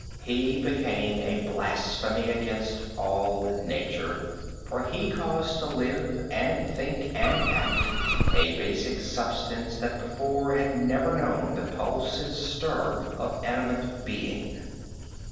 He became a blasphemy against all nature, for he caused to live and think and act a basic substance that before had never known the pulse and stir of animate being.